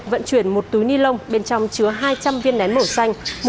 vận chuyển một túi ni lông bên trong chứa hai trăm linh viên nén màu xanh